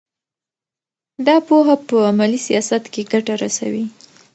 دا پوهه په عملي سیاست کې ګټه رسوي.